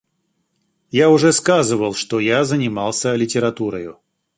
Я уже сказывал, что я занимался литературою.